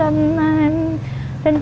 rồi đi ăn tiệc